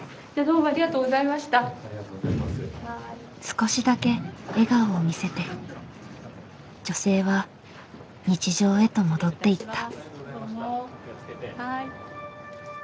少しだけ笑顔を見せて女性は日常へと戻っていった。